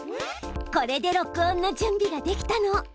これで録音の準備ができたの。